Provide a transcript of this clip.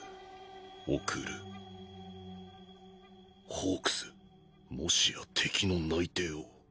ホークスもしや敵の内偵を